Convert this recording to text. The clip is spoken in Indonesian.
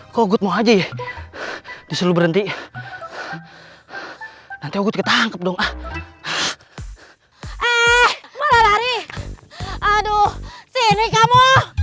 kok gue mau aja ya disuruh berhenti nanti aku ketangkep dong ah eh malah lari aduh sini kamu